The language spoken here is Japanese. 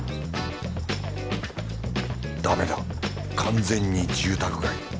ダメだ完全に住宅街。